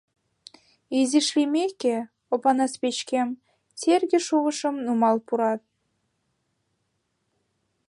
Изиш лиймеке, Опанас печкем, Серге шувышым нумал пурат.